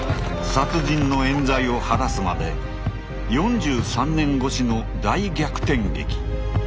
殺人のえん罪を晴らすまで４３年越しの大逆転劇。